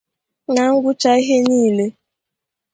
Na ngwụcha ihe niile